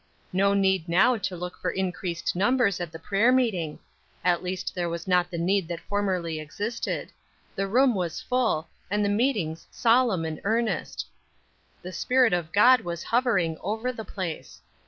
No need now to work for increased numbers at the prayer meeting; at least there was not the need that formerly existed; the room was full, and the meetings solemn and earnest. The Spirit of God was hovering over the place.